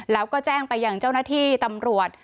แล้วก็แจ้งไปอย่างเจ้าหน้าที่ตำรวจ